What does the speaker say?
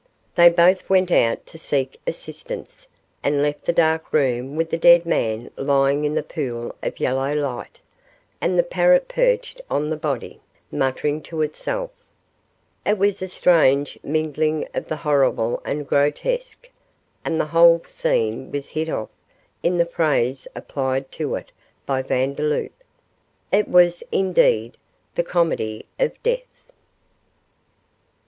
They both went out to seek assistance, and left the dark room with the dead man lying in the pool of yellow light, and the parrot perched on the body, muttering to itself. It was a strange mingling of the horrible and grotesque, and the whole scene was hit off in the phrase applied to it by Vandeloup. It was, indeed, 'The Comedy of Death'!